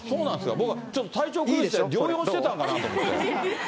僕はちょっと体調崩して、療養してたんかなと思って。